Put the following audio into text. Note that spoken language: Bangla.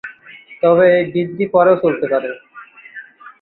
তবে এই বৃদ্ধি পরেও চলতে থাকে।